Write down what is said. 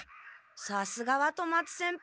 さすがは富松先輩